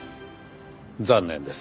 残念です。